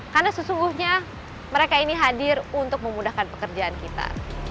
karena sesungguhnya mereka ini hadir untuk memudahkan pekerjaan kita